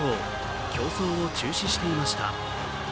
競走を中止していました。